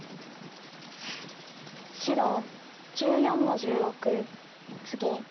白１４の十六ツギ。